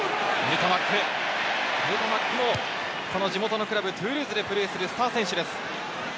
ヌタマックも地元のクラブ、トゥールーズでプレーするスター選手です。